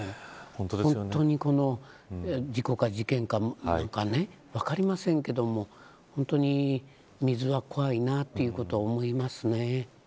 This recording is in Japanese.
本当に事故か事件か分かりませんけども本当に、水は怖いなということを思いますね。